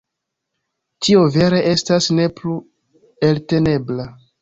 Tio vere estas ne plu eltenebla.